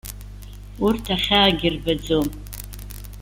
Урҭ ахьаагьы рбаӡом.